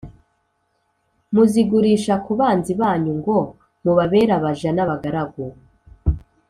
Muzigurisha ku banzi banyu ngo mubabere abaja n’abagaragu,